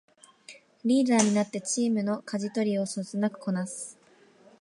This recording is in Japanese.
リーダーになってチームのかじ取りをそつなくこなす